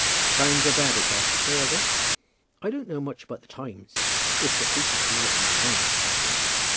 "Times are bad at Barchester, are they?" "I don't know much about the times. It's the people is worse than the times, I think.